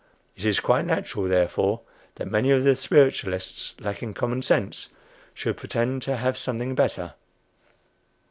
It is quite natural, therefore, that many of the spiritualists, lacking common sense, should pretend to have something better.